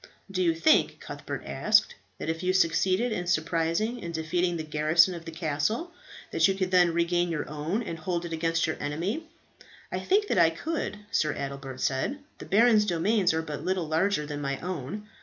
"Do you think," Cuthbert asked, "that if you succeeded in surprising and defeating the garrison of the castle that you could then regain your own, and hold it against your enemy?" "I think that I could," Sir Adelbert said. "The baron's domains are but little larger than my own.